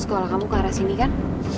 sekolah kamu ke arah sini kan